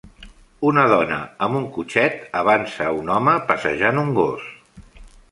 Una dona amb un cotxet avança a un home passejant un gos.